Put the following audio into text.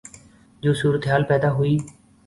جو صورتحال پیدا ہوئی